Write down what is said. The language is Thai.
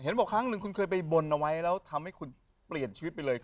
บอกครั้งหนึ่งคุณเคยไปบนเอาไว้แล้วทำให้คุณเปลี่ยนชีวิตไปเลย